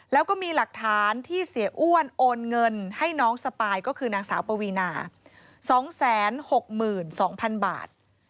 แล้วก็มีหลักฐานที่เสียอ้วนโอนเงินให้น้องสปายก็คือนางสาวปวีนา๒๖๒๐๐๐บาท